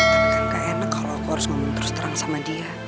tapi kan gak enak kalau aku harus ngomong terus terang sama dia